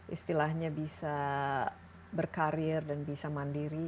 istilahnya bisa berkarir dan bisa mandiri